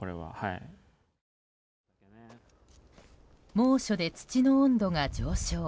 猛暑で土の温度が上昇。